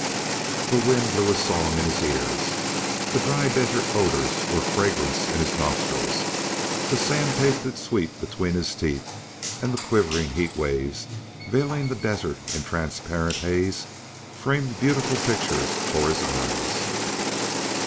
The wind blew a song in his ears; the dry desert odors were fragrance in his nostrils; the sand tasted sweet between his teeth, and the quivering heat waves, veiling the desert in transparent haze, framed beautiful pictures for his eyes.